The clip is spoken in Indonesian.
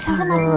selamat malam bu